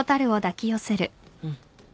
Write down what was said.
うん。